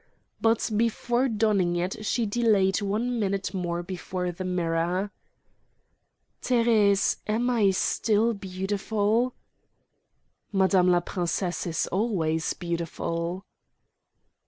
But before donning it she delayed one minute more before the mirror. "Thérèse! Am I still beautiful?" "Madame la princesse is always beautiful."